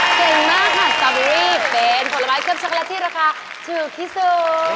เก่งมากค่ะสตอเบอรี่เป็นผลไม้เครื่องช็อกโลตที่ราคาถูกที่สุด